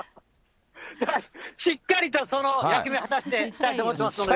しっかりと、その役目、果たしていきたいと思ってますので。